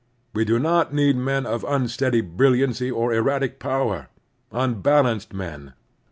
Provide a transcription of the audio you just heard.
We do not need men of tmsteady brilliancy or erratic power — ^unbal anced men.